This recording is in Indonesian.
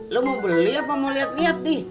lo mau beli apa mau liat liat di